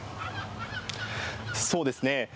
そうですね。